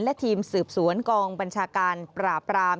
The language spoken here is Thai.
และทีมสืบสวนกองบัญชาการปราบราม